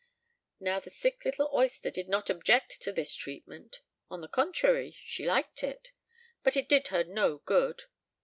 Now, the sick little oyster did not object to this treatment; on the contrary, she liked it. But it did her no good.